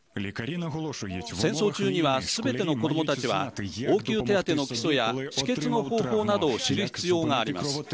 戦争中にはすべての子どもたちは応急手当ての基礎や止血の方法などを知る必要があります。